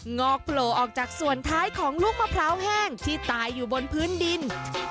งอกโผล่ออกจากส่วนท้ายของลูกมะพร้าวแห้งที่ตายอยู่บนพื้นดิน